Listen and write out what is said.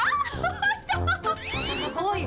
すごい！